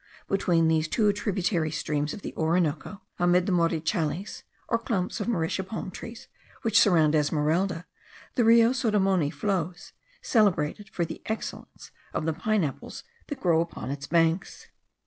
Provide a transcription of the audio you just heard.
Between these two tributary streams of the Orinoco, amid the morichales, or clumps of mauritia palm trees, which surround Esmeralda, the Rio Sodomoni flows, celebrated for the excellence of the pine apples that grow upon its banks.